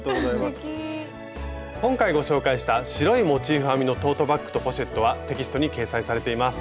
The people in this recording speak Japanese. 今回ご紹介した「白いモチーフ編みのトートバッグとポシェット」はテキストに掲載されています。